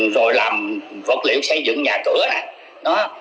rồi làm vật liệu xây dựng nhà cửa nè